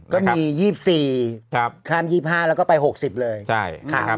ก็มี๒๔ครั้ง๒๕แล้วก็ไป๖๐เลย